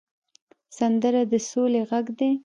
سندره د سولې غږ دی